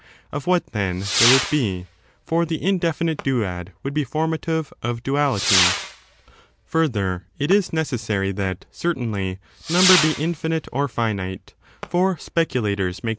Of what^^ then, will it be? for the indefinite duad would be formative of duality. 9. Number Further, it is necessary that, certainly, number muAt be either bc infinite or finite ; for speculators make finite.